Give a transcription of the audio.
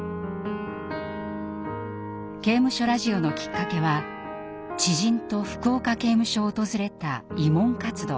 刑務所ラジオのきっかけは知人と福岡刑務所を訪れた慰問活動。